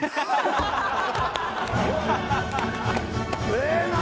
ええな！